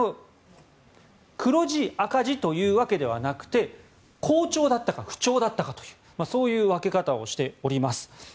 黒字、赤字というわけではなくて好調だったか不調だったかというそういう分け方をしております。